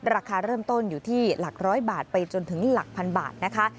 ราคาเริ่มต้นอยู่ที่หลักร้อยบาทไปจนถึงหลักพันบาทนะคะ